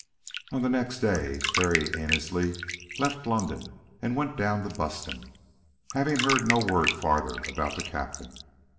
On the next day Harry Annesley left London and went down to Buston, having heard no word farther about the captain.